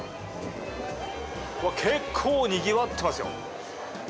結構にぎわってますよ。